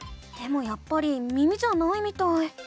でもやっぱり耳じゃないみたい。